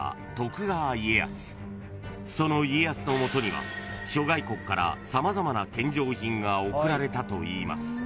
［その家康の元には諸外国から様々な献上品が贈られたといいます］